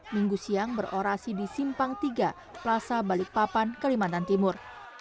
minggu siang berorasi di simpang tiga plaza balikpapan kalimantan timur